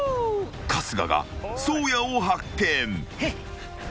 ［春日が颯也を発見］